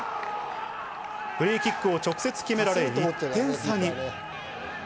フリーキックを直接決められ、１点差に。